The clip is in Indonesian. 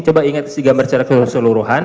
coba ingat isi gambar secara keseluruhan